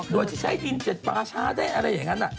โดยที่ใช้ดินเจ็ดป่าช้าได้อะไรอย่างนั้น